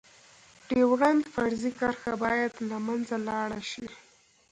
ډيورنډ فرضي کرښه باید لمنځه لاړه شی.